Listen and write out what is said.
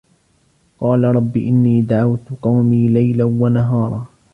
قَالَ رَبِّ إِنِّي دَعَوْتُ قَوْمِي لَيْلًا وَنَهَارًا